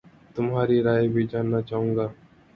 تمہاری رائے بھی جاننا چاہوں گا